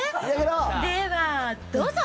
ではどうぞ。